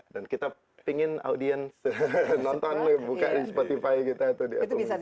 dan kita pingin audiens nonton buka di spotify kita atau di atomik